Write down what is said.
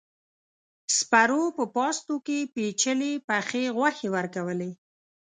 سپرو په پاستو کې پيچلې پخې غوښې ورکولې.